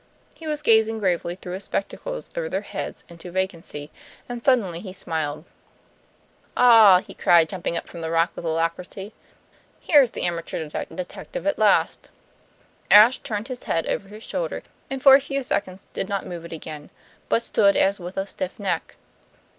He was gazing gravely through his spectacles over their heads into vacancy, and suddenly he smiled. "Ah," he cried, jumping up from the rock with alacrity, "here is the amateur detective at last!" Ashe turned his head over his shoulder, and for a few seconds did not move it again, but stood as if with a stiff neck.